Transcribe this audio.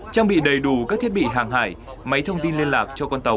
trang bị đầy đủ các thiết bị hàng hải máy thông tin liên lạc cho con tàu